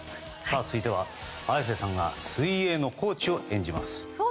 続いては、綾瀬さんが水泳のコーチを演じます。